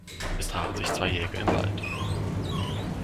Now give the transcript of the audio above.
Es trafen sich zwei Jäger im Wald.